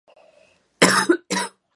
Měnová unie vychází z chybného návrhu.